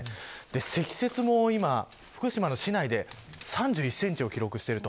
積雪も今、福島の市内で３１センチを記録している。